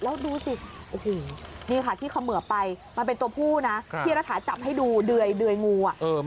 แล้วดูสินี่ค่ะที่เขาเหมือไปมันเป็นตัวผู้นะพี่รถาจับให้ดูเดื่อยงู